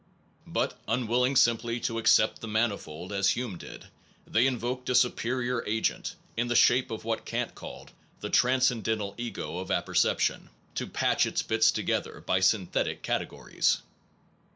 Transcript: But unwilling sim ply to accept the manifold, as Hume did, they invoked a superior agent in the shape of what Kant called the transcendental ego of apper ception to patch its bits together by synthetic categories.